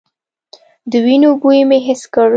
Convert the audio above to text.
د وينو بوی مې حس کړ.